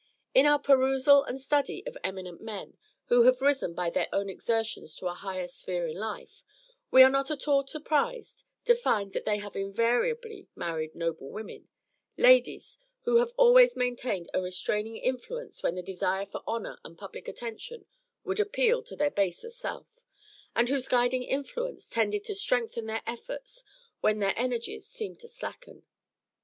In our perusal and study of eminent men who have risen by their own exertions to a higher sphere in life, we are not at all surprised to find that they have invariably married noble women ladies, who have always maintained a restraining influence when the desire for honor and public attention would appeal to their baser self, and whose guiding influence tended to strengthen their efforts when their energies seemed to slacken.